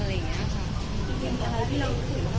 ที่เราค้างภาษณ์อะไรแบบนี้ค่ะ